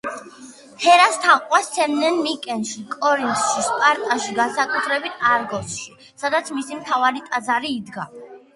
ჰერას თაყვანს სცემდნენ მიკენში, კორინთში, სპარტაში, განსაკუთრებით არგოსში, სადაც მისი მთავარი ტაძარი იდგა.